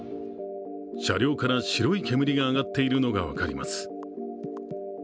車両から白い煙が上がっているのが分かります